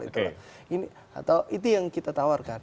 itu yang kita tawarkan